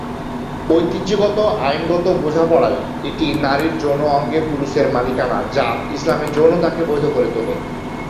ঐতিহ্যগত আইনগত বোঝাপড়ায়, এটি নারীর যৌন অঙ্গে পুরুষের মালিকানা যা ইসলামে যৌনতাকে বৈধ করে তোলে।